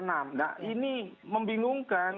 nah ini membingungkan